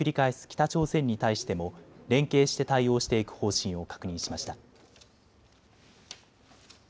北朝鮮に対しても連携して対応していく方針を確認しました。